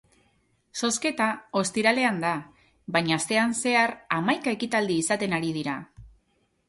Zozketa ostiralean da, baina astean zehar hamaika ekitaldi izaten ari dira.